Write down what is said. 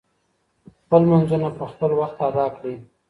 خپل لمونځونه په خپل وخت ادا کړئ.